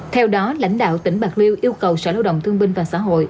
theo đó lãnh đạo tỉnh bạc liêu yêu cầu sở lao động thương binh và xã hội